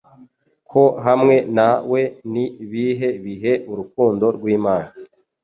Ko hamwe na we ni ibihe bihe Urukundo rw'Imana